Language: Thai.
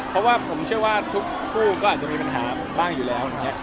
ผมเชื่อทุกคู่ก็มีปัญหาบ้างอยู่แล้ว